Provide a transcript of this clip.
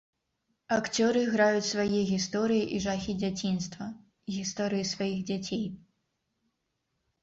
Акцёры граюць свае гісторыі і жахі дзяцінства, гісторыі сваіх дзяцей.